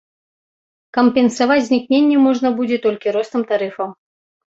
Кампенсаваць знікненне можна будзе толькі ростам тарыфаў.